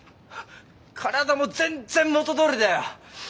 体も全然元どおりだよ。